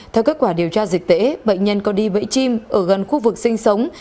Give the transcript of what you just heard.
theo kết quả điều tra dịch tễ bệnh nhân có đi bẫy chim ở gần khu vực sinh sống